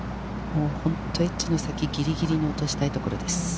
エッジの先、ぎりぎりに落としたいところです。